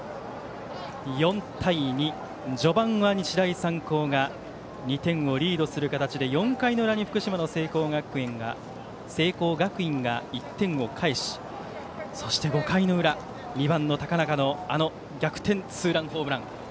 ４対２、序盤は日大三高が２点をリードする形で４回の裏に福島の聖光学院が１点を返しそして５回の裏、２番の高中のあの逆転ツーランホームラン。